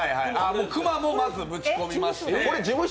熊もまずぶち込みまして。